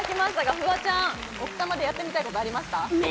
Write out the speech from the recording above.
フワちゃん、奥多摩でやってみたいことありますか？